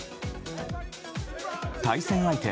対戦相手